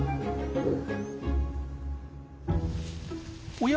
おや？